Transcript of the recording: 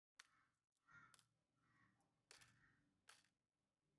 kesho ni siku ya ukimwi duniani tarehe moja